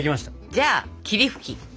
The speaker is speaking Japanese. じゃあ霧吹き。